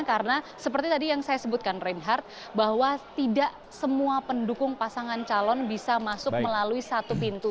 karena seperti tadi yang saya sebutkan reinhardt bahwa tidak semua pendukung pasangan calon bisa masuk melalui satu pintu